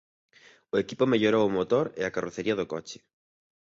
O equipo mellorou o motor e a carrocería do coche.